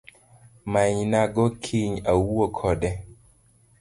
Manyna go kiny awuo kode